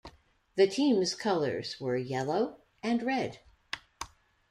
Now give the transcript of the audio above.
The team's colors were yellow and red.